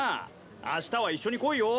あしたは一緒に来いよ。